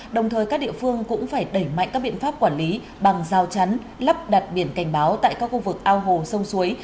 đồng thời các địa phương cũng phải đẩy mạnh các biện pháp quản lý bằng giao chắn lắp đặt biển cảnh báo tại các khu vực ao hồ sông suối